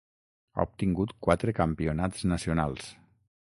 Ha obtingut quatre campionats nacionals.